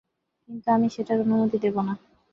কিন্তু আমি সেটার অনুমতি দেবো না।